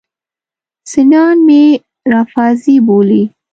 سنیان مې رافضي بولي.